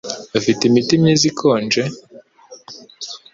Ufite imiti myiza ikonje?